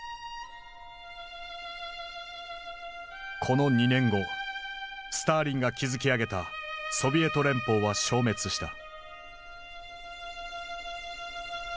この２年後スターリンが築き上げたソビエト連邦は消滅した。